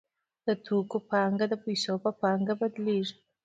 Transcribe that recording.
د توکو پانګه د پیسو په پانګه بدلېږي